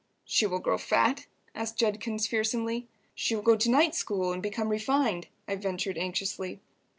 "She will grow fat?" asked Judkins, fearsomely. "She will go to night school and become refined?" I ventured anxiously.